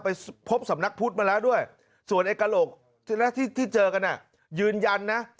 ไปพบสำนักพุทธมาแล้วด้วยส่วนไอ้กระโหลกที่เจอกันยืนยันนะ